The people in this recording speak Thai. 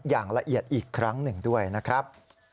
อย่างละเอียดอีกครั้งหนึ่งด้วยนะครับ